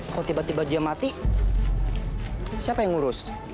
kalau tiba tiba dia mati siapa yang ngurus